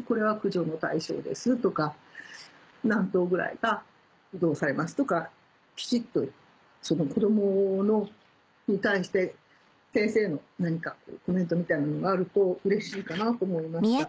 これは駆除の対象ですとか何頭ぐらいがどうされますとかきちっとその子供に対して先生の何かコメントみたいなものがあるとうれしいかなと思いました。